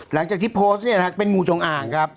หลังจากที่โพสต์เนี่ยนะครับเป็นงูจงอ่างครับ